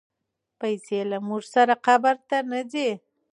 پیسې له موږ سره قبر ته نه ځي.